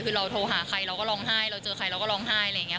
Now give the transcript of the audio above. คือเราโทรหาใครเราก็ร้องไห้เราเจอใครเราก็ร้องไห้อะไรอย่างนี้